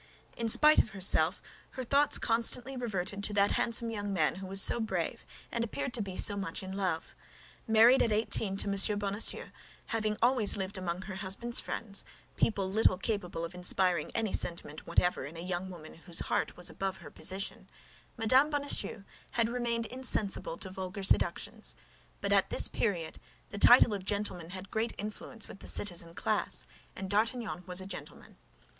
In spite of herself her thoughts constantly reverted to that handsome young man who was so brave and appeared to be so much in love. Married at eighteen to M. Bonacieux, having always lived among her husband's friends—people little capable of inspiring any sentiment whatever in a young woman whose heart was above her position—Mme. Bonacieux had remained insensible to vulgar seductions; but at this period the title of gentleman had great influence with the citizen class, and D'Artagnan was a gentleman.